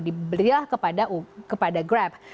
dibeliah kepada grab